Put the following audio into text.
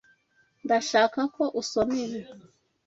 Ndashaka ko asoma ibi.